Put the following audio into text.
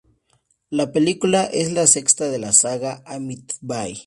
La película es la sexta de la saga Amityville.